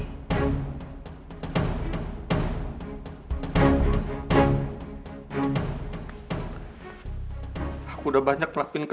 insya allah kami semua kuat yang ada disini